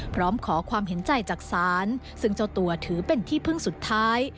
พร้อมขอความเห็นใจจากศาลซึ่งเจ้าตัวถือเป็นที่พึ่งสุดท้าย